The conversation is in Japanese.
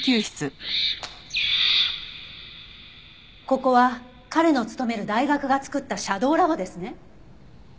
ここは彼の勤める大学が作ったシャドーラボですね。